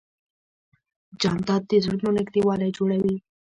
جانداد د زړونو نږدېوالی جوړوي.